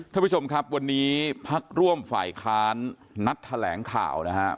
ท่านผู้ชมครับวันนี้พักร่วมฝ่ายค้านนัดแถลงข่าวนะครับ